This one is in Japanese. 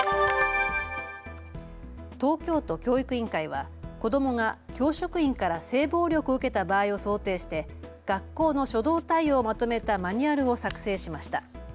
東京都教育委員会は子どもが教職員から性暴力を受けた場合を想定して学校の初動対応をまとめたマニュアルを作成しました。